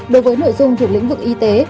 đối với nội dung thuộc lĩnh vực y tế